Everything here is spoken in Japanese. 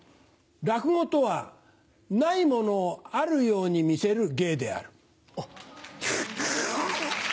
落語とはないものをあるように見せる芸である。